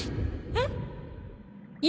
えっ！